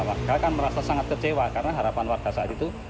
warga kan merasa sangat kecewa karena harapan warga saat itu